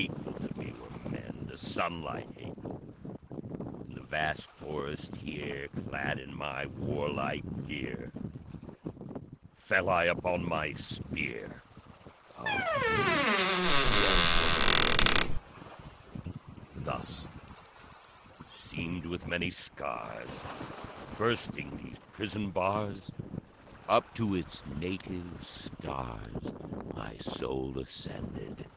Hateful to me were men, The sunlight hateful! In the vast forest here, Clad in my warlike gear, Fell I upon my spear, Oh, death was grateful! "Thus, seamed with many scars, Bursting these prison bars, Up to its native stars My soul ascended!